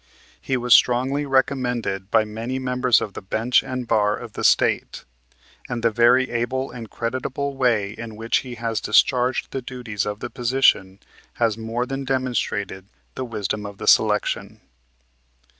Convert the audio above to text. He was strongly recommended by many members of the bench and bar of the State; and the very able and creditable way in which he has discharged the duties of the position has more than demonstrated the wisdom of the selection.